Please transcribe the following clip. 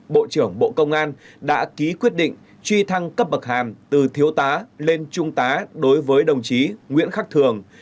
bộ trưởng bộ công an đã ký quyết định truy thăng cấp bậc hàm từ thiếu tá lên trung tá đối với đồng chí nguyễn khắc thường